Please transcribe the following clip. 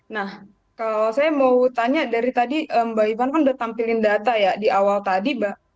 nah kalau saya mau tanya dari tadi mbak ivan kan udah tampilin data ya di awal tadi mbak